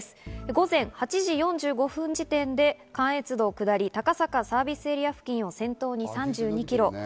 午前８時４５分時点で関越道下り、高坂サービスエリア付近を先頭に３２キロ。